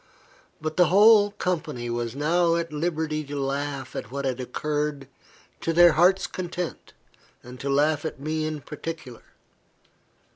But the whole company were now at liberty to laugh at what had occurred to their hearts' content, and to laugh at me in particular.